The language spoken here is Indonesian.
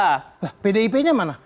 nah pdip nya mana